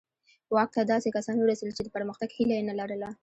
واک ته داسې کسان ورسېدل چې د پرمختګ هیله یې نه لرله.